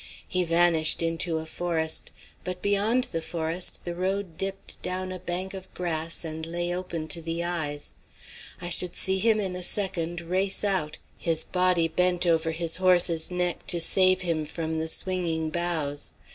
He vanished into a forest, but beyond the forest the road dipped down a bank of grass and lay open to the eye. I should see him in a second race out, his body bent over his horse's neck to save him from the swinging boughs.